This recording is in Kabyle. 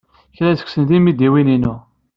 Kra seg-sen d imidiwen-inu.